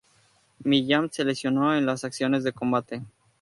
Millán se lesionó en las acciones de combate.